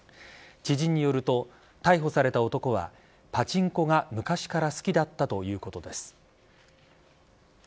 知人によると、逮捕された男はパチンコが昔から好きだったということです。